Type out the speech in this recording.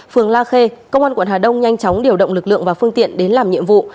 phường la khê công an quận hà đông nhanh chóng điều động lực lượng và phương tiện đến làm nhiệm vụ